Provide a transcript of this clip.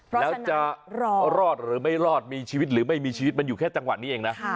แล้วจะรอดหรือไม่รอดมีชีวิตหรือไม่มีชีวิตมันอยู่แค่จังหวะนี้เองนะ